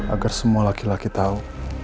agar semua laki laki tahu